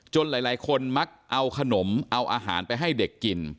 หลายคนมักเอาขนมเอาอาหารไปให้เด็กกิน